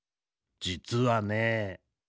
じつはね。